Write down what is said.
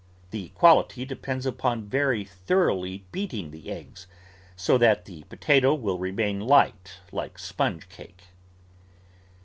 The quality depends upon very thoroughly beating the eggs, so that the po tato will remain light, like sponge cake.